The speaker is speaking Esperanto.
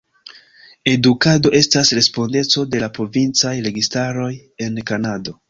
Edukado estas respondeco de la provincaj registaroj en Kanado.